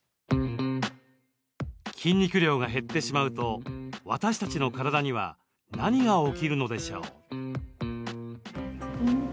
筋肉量が減ってしまうと私たちの体には何が起きるのでしょう？